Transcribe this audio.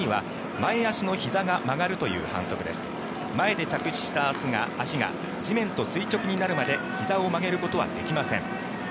前で着地した足が地面と垂直になるまでひざを曲げることはできません。